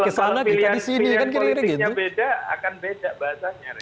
kalau soal pilihan politiknya beda akan beda bahasanya